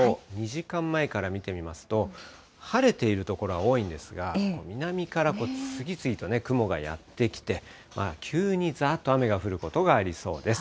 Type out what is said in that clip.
２時間前から見てみますと、晴れている所は多いんですが、南から次々と雲がやって来て、急にざーっと雨が降ることがありそうです。